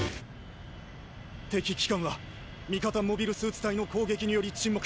敵旗艦は味方モビルスーツ隊の攻撃により沈黙。